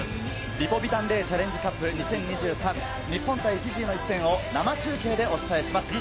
リポビタンＤチャレンジカップ２０２３、日本対フィジーの一戦を生中継でお伝えします。